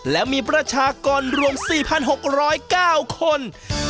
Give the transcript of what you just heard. และมีประชากรรวม๔๖๐๙คน